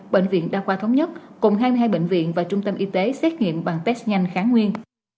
bệnh viện đa khoa thống nhất cùng hai mươi hai bệnh viện và trung tâm y tế xét nghiệm bằng test nhanh kháng nguyên